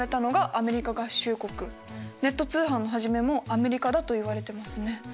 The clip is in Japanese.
ネット通販のはじめもアメリカだといわれてますね。